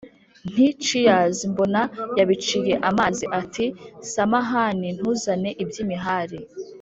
nti cheers mbona yabiciye amazi, ati samahani ntuzane iby’imihari